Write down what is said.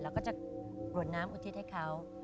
เราก็จะกรวดน้ำอุทิศให้เขา